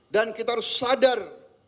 dan kita harus sadar